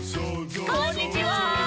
「こんにちは」